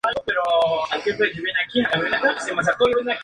Estadísticamente, una cifra así es considerada como definitivamente segura.